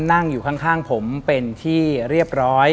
นั่งอยู่ข้างผมเป็นที่เรียบร้อย